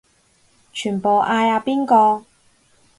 全部嗌阿邊個